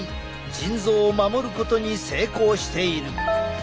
腎臓を守ることに成功している。